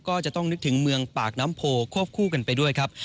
ก็จะต้องนึกถึงเมืองปากน้ำโพควบคู่กันไปด้วยครับ